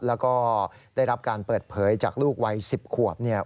แล้วก็ได้รับการเปิดเผยจากลูกวัย๑๐ขวบเนี่ย